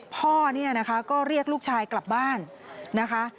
พ่อเนี่ยนะคะก็เรียกลูกชายกลับบ้านนะคะ